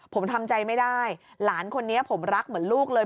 ผมทำใจไม่ได้หลานคนนี้ผมรักเหมือนลูกเลย